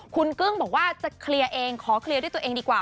คุณกึ้งบอกว่าจะเคลียร์เองขอเคลียร์ด้วยตัวเองดีกว่า